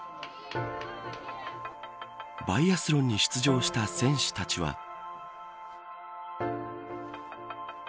バイアスロンに出場した選手たちは。